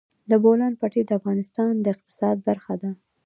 د بولان پټي د افغانستان د اقتصاد برخه ده.